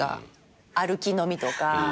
歩きのみとか。